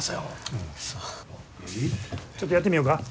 ちょっとやってみよか。